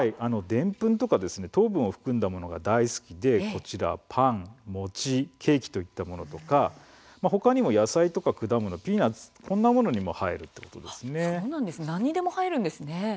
でんぷんや糖分を含んだものが大好きでパン、餅、ケーキといったものとか他にも野菜とか果物、ピーナツこんなものにも生えるということです。